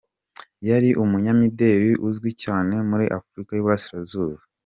Yari umunyamideli uzwi cyane muri Afurika y’Uburasirazuba.